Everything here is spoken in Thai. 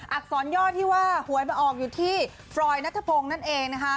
อักษรย่อที่ว่าหวยมาออกอยู่ที่ฟรอยนัทพงศ์นั่นเองนะคะ